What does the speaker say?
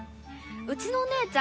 うちのお姉ちゃん